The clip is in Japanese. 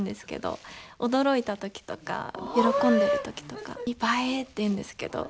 驚いた時とか喜んでる時とかにばえーって言うんですけど。